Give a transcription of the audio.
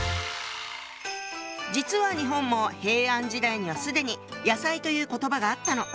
実は日本も平安時代には既に「野菜」という言葉があったの。